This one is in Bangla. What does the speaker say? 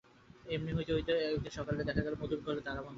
এমনি হইতে হইতে একদিন সকালে হঠাৎ দেখা গেল, মধুর ঘরে তালা বন্ধ।